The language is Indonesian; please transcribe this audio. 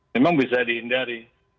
memang bisa dihindari